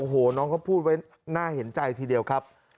โอ้โหน้องเขาพูดไว้น่าเห็นใจทีเดียวครับ